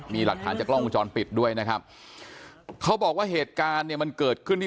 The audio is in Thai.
มีหลักฐานจากกล้องวงจรปิดด้วยนะครับเขาบอกว่าเหตุการณ์เนี่ยมันเกิดขึ้นที่